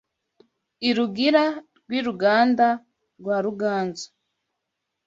irugira rw’i Ruganda rwa Ruganzu